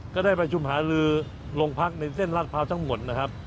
ก็ได้ไปชุมหารือลงพักษณ์ในเส้นรหลัดพร้าวทั้งหมด